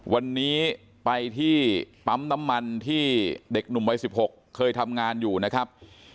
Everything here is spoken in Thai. วันนี้ไปที่ปั๊มน้ำมันที่เด็กหนุ่มวัย๑๖เคยทำงานอยู่นะครับ